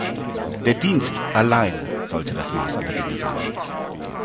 Der Dienst allein sollte das Maß aller Dinge sein.